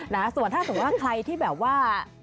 นะส่วนถ้าสมมุติว่าใครที่แบบว่า